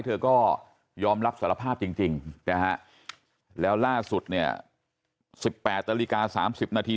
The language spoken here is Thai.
เธอก็ยอมรับสารภาพจริงนะฮะแล้วล่าสุดเนี่ย๑๘นาฬิกา๓๐นาที